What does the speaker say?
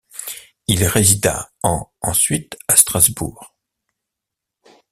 Il résida en ensuite à Strasbourg.